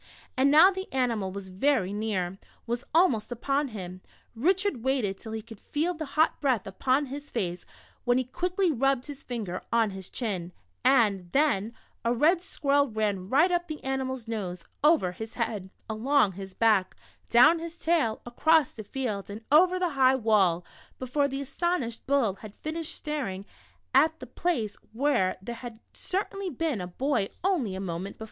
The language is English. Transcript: And now the animal was ver} near, was almost upon him. Richard waited till he could feel the hot breath upon his face, when he quickly rubbed his finger on his chin, and — then — a red squirrel ran right up the animal's nose, over his head, along his back, down his tail, across the field, and over the high wall, before the astonished bull had finished staring at the place where there had cer tainlv been a bov onlv a moment before